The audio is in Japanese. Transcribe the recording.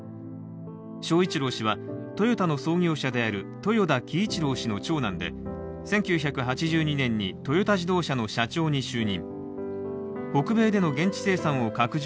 章一郎氏はトヨタの創業者である豊田喜一郎氏の長男で、１９８２年にトヨタ自動車の社長に就任。